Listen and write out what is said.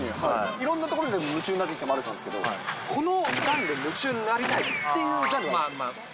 いろんなところで夢中になってきた丸さんですけど、このジャンル、夢中になりたいっていうジャンルはありますか。